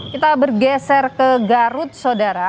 kita bergeser ke garut saudara